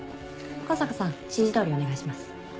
向坂さん指示どおりお願いします。